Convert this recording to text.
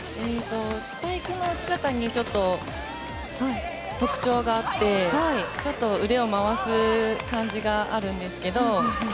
スパイクの打ち方に特徴があって腕を回す感じがあるんですけど。